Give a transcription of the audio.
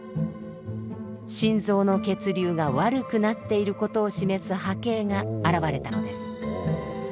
心臓の血流が悪くなっていることを示す波形が現れたのです。